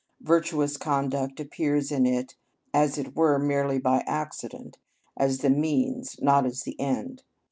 Virtuous conduct appears in it as it were merely by accident, as the means, not as the end.